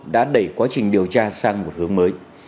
đã đẩy quá trình điều tra sang một hướng mới